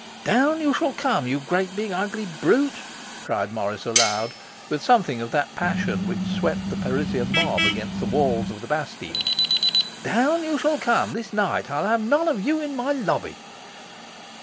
'Down you shall come, you great big, ugly brute!' cried Morris aloud, with something of that passion which swept the Parisian mob against the walls of the Bastille. 'Down you shall come, this night. I'll have none of you in my lobby.